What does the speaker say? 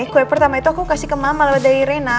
kue pertama itu aku kasih ke mama lewat dari rena